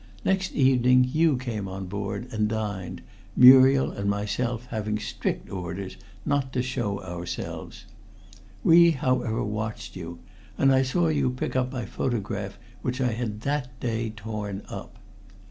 Next evening you came on board and dined, Muriel and myself having strict orders not to show ourselves. We, however, watched you, and I saw you pick up my photograph which I had that day torn up.